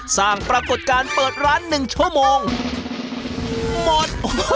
สร้างปรากฏการณ์เปิดร้าน๑ชั่วโมงหมด